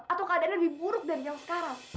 atau keadaannya lebih buruk dari yang sekarang